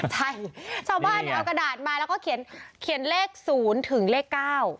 ใช่ชาวบ้านเนี่ยเอากระดาษมาแล้วก็เขียนเลข๐ถึงเลข๙